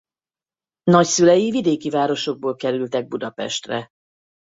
Nagyszülei vidéki városokból kerületek Budapestre.